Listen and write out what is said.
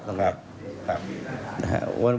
ต้องเรียก